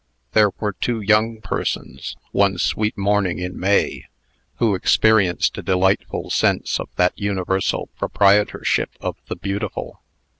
There were two young persons, one sweet morning in May, who experienced a delightful sense of that universal proprietorship of the Beautiful.